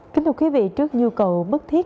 kính thưa quý vị trước nhu cầu bất thiết